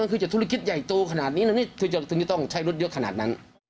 คือจะธุรกิจใหญ่โตขนาดนี้แล้วนี่คือจะต้องใช้รถเยอะขนาดนั้น